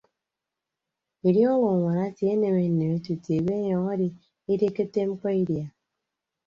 Idiọk owonwaan atie aneme nneme tutu ebe anyọñ adi idikịtte mkpọ idia.